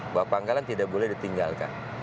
bahwa pangkalan tidak boleh ditinggalkan